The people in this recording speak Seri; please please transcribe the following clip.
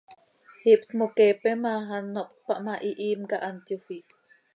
Ihptmoqueepe ma, ano hptpah ma, hihiim cah hant yofii.